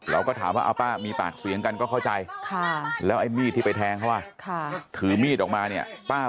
เราก็ถามว่าป้ามีปากเสียงกันก็เข้าใจ